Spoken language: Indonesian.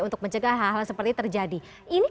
untuk mencegah hal hal seperti terjadi ini